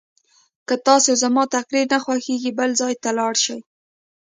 که تاسو زما تقریر نه خوښوئ بل ځای ته لاړ شئ.